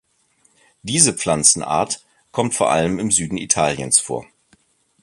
Diese Pflanzen-Art kommt vor allem im Süden Italiens vor.